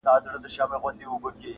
چرګ چي ځوان سي پر بام ورو ورو ځي -